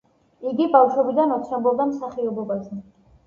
იგი ბავშვობიდან ოცნებობდა მსახიობობაზე.